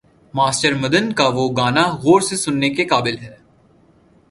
Master Madan کا وہ گانا غور سے سننے کے قابل ہے۔